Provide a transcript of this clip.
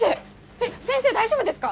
えっ先生大丈夫ですか？